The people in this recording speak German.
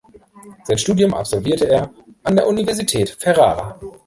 Sein Studium absolvierte er an der Universität Ferrara.